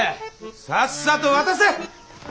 さっさと渡せ！